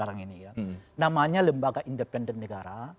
namanya lembaga independen negara